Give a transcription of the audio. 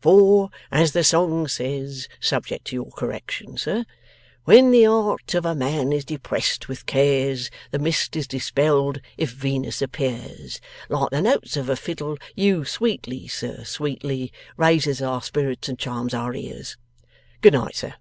For, as the song says subject to your correction, sir "When the heart of a man is depressed with cares, The mist is dispelled if Venus appears. Like the notes of a fiddle, you sweetly, sir, sweetly, Raises our spirits and charms our ears." Good night, sir.